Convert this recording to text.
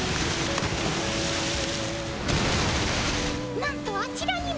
なんとあちらにも。